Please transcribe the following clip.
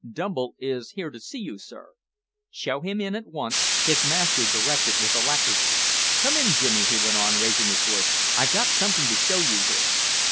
"Dumble is here to see you, sir." "Show him in at once," his master directed with alacrity. "Come in, Jimmy," he went on, raising his voice. "I've got something to show you here."